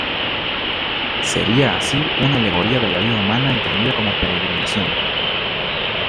Sería así una alegoría de la vida humana entendida como peregrinación.